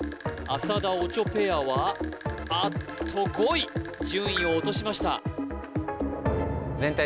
浅田・オチョペアはあっと５位順位を落としました